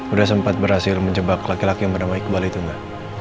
udah sempat berhasil menjebak laki laki yang bernama iqbal itu enggak